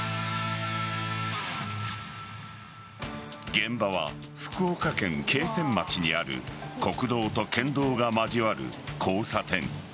現場は、福岡県桂川町にある国道と県道が交わる交差点。